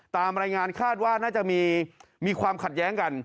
ตามรายงานคาดว่าน่าจะมีความขัดแย้งกัน